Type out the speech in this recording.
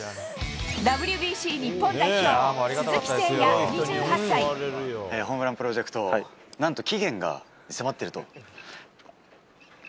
ＷＢＣ日本代表、ホームランプロジェクト、なんと期限が迫っていると。